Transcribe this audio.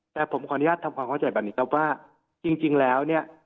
แต่ผมขออนุญาตทำความเข้าใจแบบนี้ครับว่าจริงแล้วเนี่ย